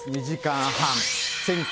２時間半。